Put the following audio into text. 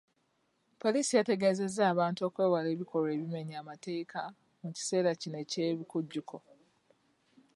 Poliisi yategeeza abantu okwewala ebikolwa ebimenya amateeka mu kiseera kino eky'ebikujjukko.